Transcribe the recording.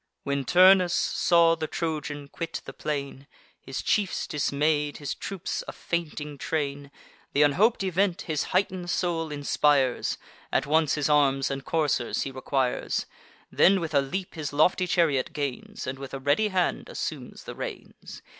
When Turnus saw the Trojan quit the plain, His chiefs dismay'd, his troops a fainting train, Th' unhop'd event his heighten'd soul inspires: At once his arms and coursers he requires; Then, with a leap, his lofty chariot gains, And with a ready hand assumes the reins.